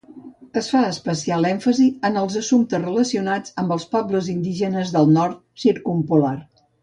Es fa especial èmfasi en els assumptes relacionats amb els pobles indígenes del Nord Circumpolar.